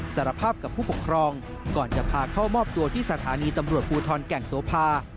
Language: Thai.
สารภาพกับผู้ปกครองก่อนจะพาเข้ามอบตัวที่สถานีตำรวจภูทรแก่งโสภา